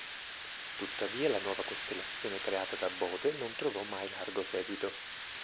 Tuttavia, la nuova costellazione creata da Bode non trovò mai largo seguito.